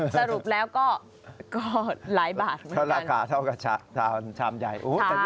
สรุปแล้วก็หลายบาทเหมือนกันถ้าราคาเท่ากับชามใหญ่